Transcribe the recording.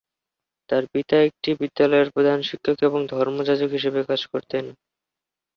তাঁর পিতা একটি বিদ্যালয়ের প্রধান শিক্ষক ও ধর্মযাজক হিসেবে কাজ করতেন।